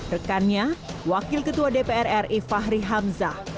rekannya wakil ketua dpr ri fahri hamzah